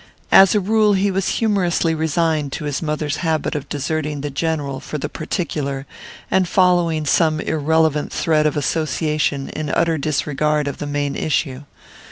As a rule he was humorously resigned to his mother's habit of deserting the general for the particular, and following some irrelevant thread of association in utter disregard of the main issue.